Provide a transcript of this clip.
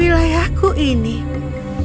tentu saja saya tahu itu seperti milik ketatuan